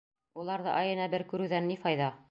Уларҙы айына бер күреүҙән ни файҙа?